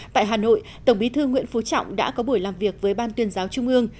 tại hà nội tổng bí thư nguyễn phú trọng đã có buổi làm việc với ban tuyên giáo trung ương